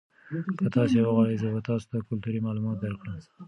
که تاسي وغواړئ زه به تاسو ته کلتوري معلومات درکړم.